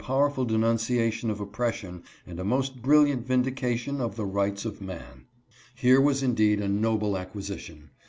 pow erful denunciation of oppression and_a most brilliant vindication of the rights of man. Here was indeed a raible acquisition.